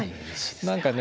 何かね